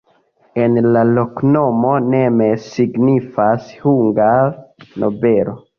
En la loknomo nemes signifas hungare: nobelo.